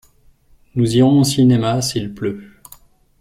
Nous irons au cinéma s’il pleut.